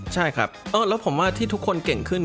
ใช่ครับแล้วผมว่าที่ทุกคนเก่งขึ้น